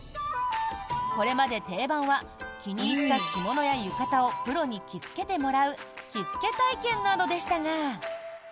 これまで定番は気に入った着物や浴衣をプロに着付けてもらう着付け体験などでしたが。